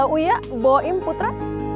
uya boim putra